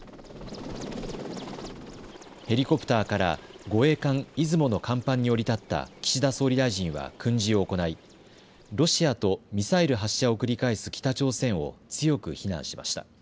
ヘリコプターから護衛艦いずもの甲板に降り立った岸田総理大臣は訓示を行いロシアとミサイル発射を繰り返す北朝鮮を強く非難しました。